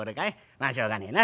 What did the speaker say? まあしょうがねえな。